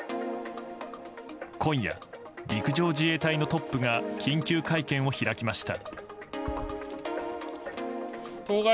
今夜、陸上自衛隊のトップが緊急会見を開きました。